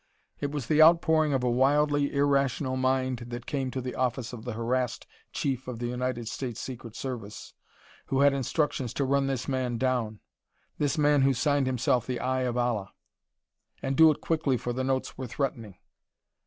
It was the outpouring of a wildly irrational mind that came to the office of the harassed Chief of the United States Secret Service, who had instructions to run this man down this man who signed himself The Eye of Allah. And do it quickly for the notes were threatening.